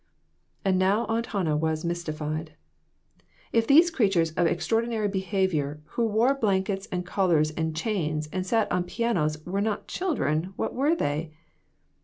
And now Aunt Hannah was mystified. If these creatures of extraordinary behavior, who wore blankets and collars and chains, and sat on pianos, were not children, what were they